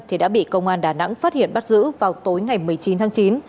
thì đã bị công an đà nẵng phát hiện bắt giữ vào tối ngày một mươi chín tháng chín